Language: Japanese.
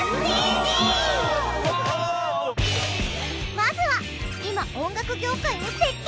まずは今音楽業界を席巻！